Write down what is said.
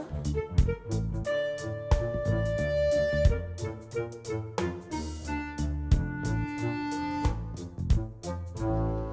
kamu sama teh kirani